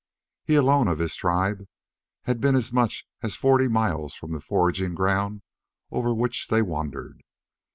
He, alone of his tribe, had been as much as forty miles from the foraging ground over which they wandered.